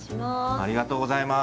ありがとうございます。